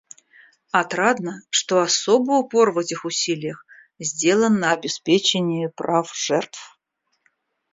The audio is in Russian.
Отрадно, что особый упор в этих усилиях сделан на обеспечении прав жертв.